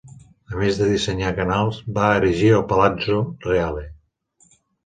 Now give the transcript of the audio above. A més de dissenyar canals, va erigir el Palazzo Reale.